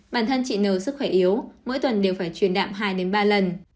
bản thân chị nờ sức khỏe yếu mỗi tuần đều phải truyền đạm hai ba lần